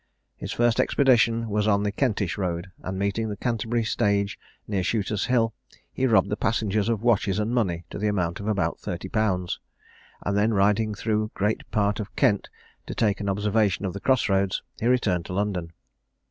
His first expedition was on the Kentish road; and meeting the Canterbury stage near Shooter's hill, he robbed the passengers of watches and money to the amount of about thirty pounds; and then riding through great part of Kent to take an observation of the cross roads, he returned to London.